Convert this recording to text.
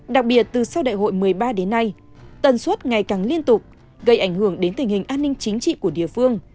đặc biệt từ sau đại hội một mươi ba đến nay tần suất ngày càng liên tục gây ảnh hưởng đến tình hình an ninh chính trị của địa phương